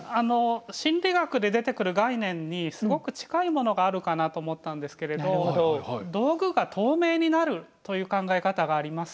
心理学で出てくる概念にすごく近いものがあるかなと思ったんですけれど道具が透明になるという考え方があります。